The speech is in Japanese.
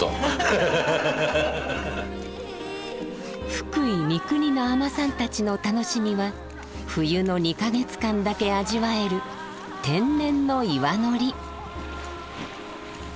福井・三国の海女さんたちの楽しみは冬の２か月間だけ味わえる天然の岩のり。